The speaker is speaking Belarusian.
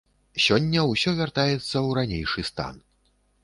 Сёння ўсё вяртаецца ў ранейшы стан.